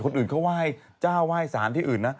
คนอื่นเขาไหว้เจ้าไหว้สารที่อื่นนะ